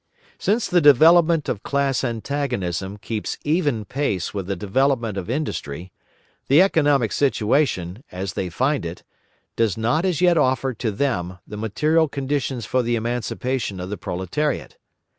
Since the development of class antagonism keeps even pace with the development of industry, the economic situation, as they find it, does not as yet offer to them the material conditions for the emancipation of the proletariat.